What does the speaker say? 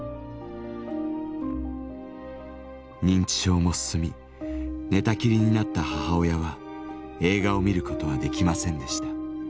認知症も進み寝たきりになった母親は映画を見ることはできませんでした。